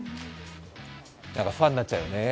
何かファンになっちゃうよね。